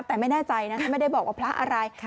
แต่ไม่แน่ใจนะฉันไม่ได้บอกว่าพระอะไร